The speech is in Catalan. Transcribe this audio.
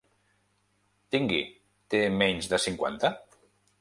Tingui, té menys de cinquanta?